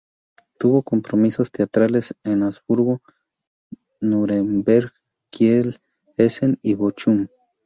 Tuvo compromisos teatrales en Augsburgo, Núremberg, Kiel, Essen y Bochum.